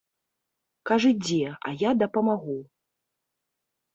Кажы дзе, а я дапамагу.